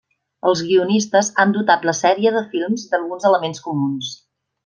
Els guionistes han dotat la sèrie de films d'alguns elements comuns.